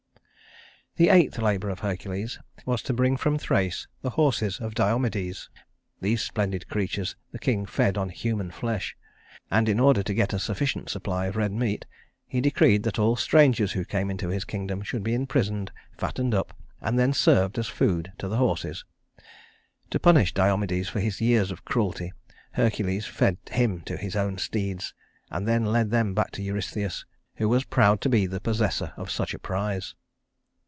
The eighth labor of Hercules was to bring from Thrace the horses of Diomedes. These splendid creatures the king fed on human flesh; and in order to get a sufficient supply of fresh meat, he decreed that all strangers who came into his kingdom should be imprisoned, fattened up, and then served as food to the horses. To punish Diomedes for his years of cruelty, Hercules fed him to his own steeds, and then led them back to Eurystheus, who was proud to be the possessor of such a prize.